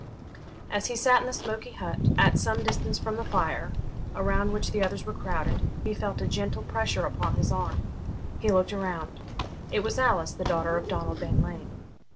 As he sat in the smoky hut, at some distance from the fire, around which the others were crowded, he felt a gentle pressure upon his arm. He looked round; it was Alice, the daughter of Donald Bean Lean.